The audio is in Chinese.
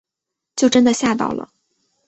就真的吓到了